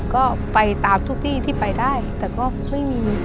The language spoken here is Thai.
ก็ไปตามทุกที่ที่ไปได้แต่ก็ไม่มี